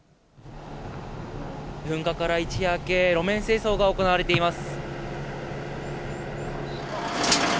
噴火から一夜明け、路面清掃が行われています。